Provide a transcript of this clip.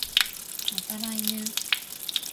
また来年